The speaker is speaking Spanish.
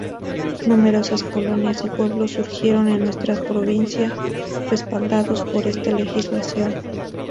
Numerosas colonias y pueblos surgieron en nuestra provincia, respaldados por esta legislación.